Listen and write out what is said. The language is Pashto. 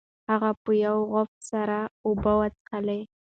هغه په یو غوپ سره اوبه وڅښلې.